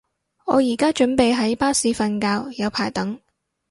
我而家準備喺巴士瞓覺，有排等